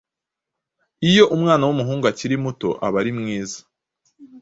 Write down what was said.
iyo umwana w’umuhungu akiri muto aba ari mwiza,